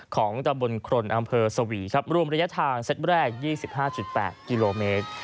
ของตะบนครนอำเภอสวีรวมระยะทางเซ็ตแรก๒๕๘กิโลเมตร